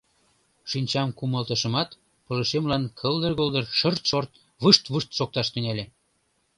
Шинчам кумалтышымат, пылышемлан кылдыр-голдыр, шырт-шорт, вышт-вушт шокташ тӱҥале.